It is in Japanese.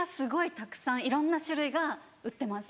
たくさんいろんな種類が売ってます。